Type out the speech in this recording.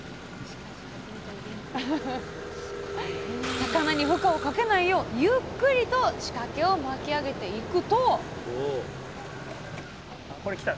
魚に負荷をかけないようゆっくりと仕掛けを巻き上げていくとあ来た！